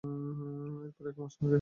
এরপর একমাস রাখে।